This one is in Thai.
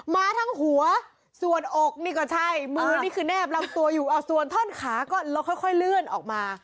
มาทั้งหัวส่วนอกนี่ก็ใช่มือนี่คือแนบลำตัวอยู่เอาส่วนท่อนขาก็แล้วค่อยเลื่อนออกมา